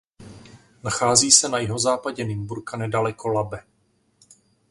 Nachází se na jihozápadě Nymburka nedaleko Labe.